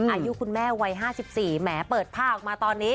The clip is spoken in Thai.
อายุคุณแม่วัย๕๔แหมเปิดผ้าออกมาตอนนี้